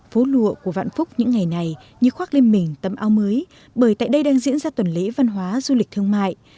phố lụa của vạn phúc những ngày này như khoác lên mình tấm ao mới bởi tại đây đang diễn ra tuần lễ văn hóa du lịch thương mại